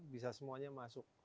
bisa semuanya masuk